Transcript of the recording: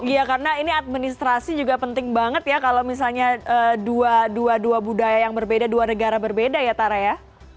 iya karena ini administrasi juga penting banget ya kalau misalnya dua dua budaya yang berbeda dua negara berbeda ya tara ya